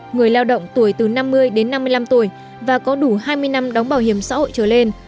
người lao động tuổi từ năm mươi đến năm mươi năm tuổi và có đủ hai mươi năm đóng bảo hiểm xã hội trở lên